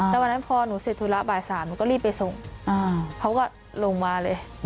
แล้ววันนั้นพอหนูเสร็จธุระบ่าย๓หนูก็รีบไปส่งเขาก็ลงมาเลย